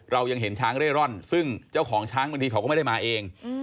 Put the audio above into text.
เรายังเห็นช้างเร่ร่อนซึ่งเจ้าของช้างบางทีเขาก็ไม่ได้มาเอง